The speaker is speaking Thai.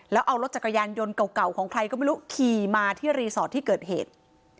แล้วเอารถจักรยานยนต์เก่าของใครก็ไม่รู้ขี่มาที่รีสอร์ทที่เกิดเหตุ